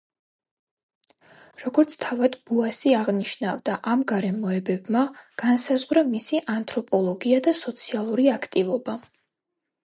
როგორც თავად ბოასი აღნიშნავდა, ამ გარემოებებმა განსაზღვრა მისი ანთროპოლოგია და სოციალური აქტივობა.